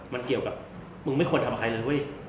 มันเกี่ยวกับมึงไม่ควรทำกับใครเลย